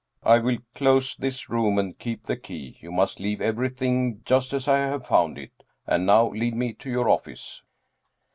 " I will close this room and keep the key. You must leave everything just as I have found it. And now lead me to your office."